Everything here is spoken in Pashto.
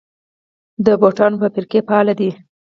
د بوټانو فابریکې فعالې دي؟